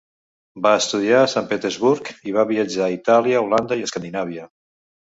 Va estudiar a Sant Petersburg i va viatjar per Itàlia, Holanda i Escandinàvia.